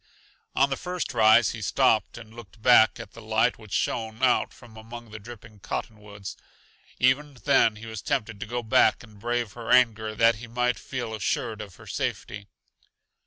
On the first rise he stopped and looked back at the light which shone out from among the dripping cottonwoods. Even then he was tempted to go back and brave her anger that he might feel assured of her safety.